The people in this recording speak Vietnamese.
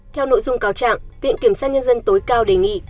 theo nội dung cáo trạng viện kiểm sát nhân dân tối cao đề nghị